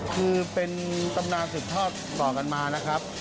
คือเป็นตำนานสืบทอดต่อกันมานะครับ